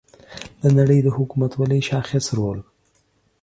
د نړۍ د حکومتولۍ شاخص رول